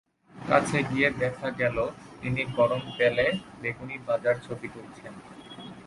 কাছে গিয়ে দেখা গেল তিনি গরম তেলে বেগুনি ভাজার ছবি তুলছেন।